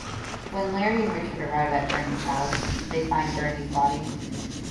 When Larry and Richard arrive at Bernie's house, they find Bernie's body.